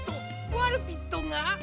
ワルピットが？